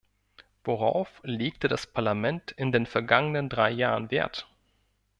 Worauf legte das Parlament in den vergangenen drei Jahren Wert?